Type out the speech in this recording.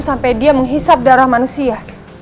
sampai dia menghisap darah manusia